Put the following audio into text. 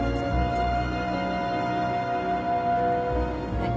はい。